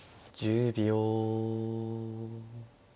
１０秒。